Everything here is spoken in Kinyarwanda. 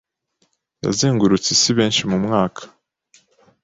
Yazengurutse isi benshi mu mwaka